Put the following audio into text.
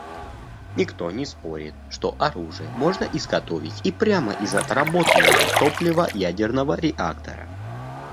Никто не спорит, что оружие можно изготовить и прямо из отработанного топлива ядерного реактора.